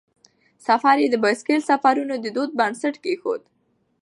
سفر یې د بایسکل سفرونو د دود بنسټ کیښود.